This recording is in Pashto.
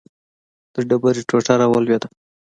د ډبرې ټوټه راولوېده.